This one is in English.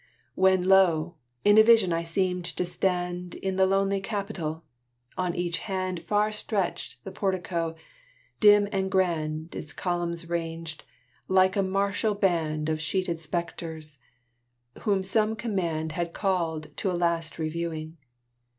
When, lo! in a vision I seemed to stand In the lonely Capitol. On each hand Far stretched the portico, dim and grand Its columns ranged, like a martial band Of sheeted spectres, whom some command Had called to a last reviewing.